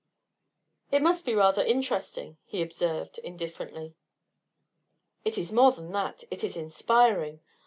"It must be rather interesting," he observed, indifferently. "It is more than that; it is inspiring.